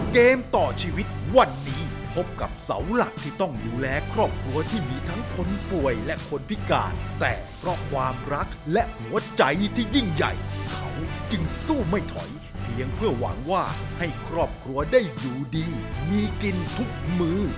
เกมต่อชีวิตวันนี้พบกับเสาหลักที่ต้องดูแลครอบครัวที่มีทั้งคนป่วยและคนพิการแต่เพราะความรักและหัวใจที่ยิ่งใหญ่เขาจึงสู้ไม่ถอยเพียงเพื่อหวังว่าให้ครอบครัวได้อยู่ดีมีกินทุกมือ